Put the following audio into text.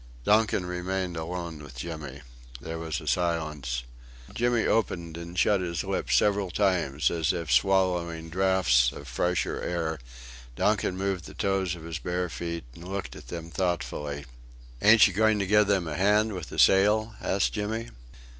Donkin remained alone with Jimmy. There was a silence. Jimmy opened and shut his lips several times as if swallowing draughts of fresher air; Donkin moved the toes of his bare feet and looked at them thoughtfully. "Ain't you going to give them a hand with the sail?" asked Jimmy.